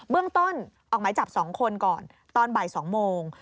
เรื่องต้นออกหมายจับ๒คนก่อนตอนบ่าย๒โมง